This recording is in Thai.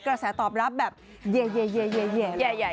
กระแสตอบรับแบบเย่แหละ